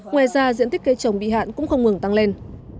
ngoài ra diện tích cây trồng bị hạn cũng không ngừng tăng lên